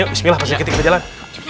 bismillah pas dikit kita jalan